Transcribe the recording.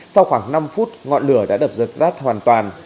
sau khoảng năm phút ngọn lửa đã đập rớt rát hoàn toàn